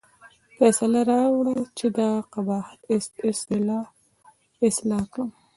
فیصله راوړه چې دغه قباحت اصلاح کړم.